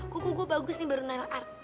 kuku gue bagus nih baru sembilan art